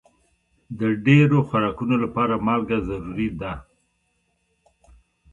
د ډېرو خوراکونو لپاره مالګه ضروري ده.